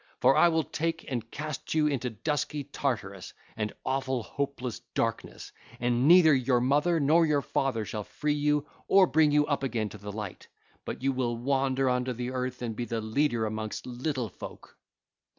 For I will take and cast you into dusty Tartarus and awful hopeless darkness, and neither your mother nor your father shall free you or bring you up again to the light, but you will wander under the earth and be the leader amongst little folk.